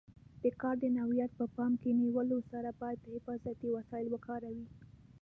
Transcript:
د کار د نوعیت په پام کې نیولو سره باید حفاظتي وسایل وکاروي.